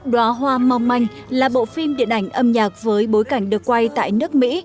đó hoa mong manh là bộ phim điện ảnh âm nhạc với bối cảnh được quay tại nước mỹ